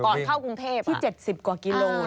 ก่อนเข้ากรุงเทพฯที่๗๐กว่ากิโลกรัม